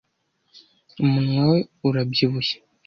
umunwa we urabyibushye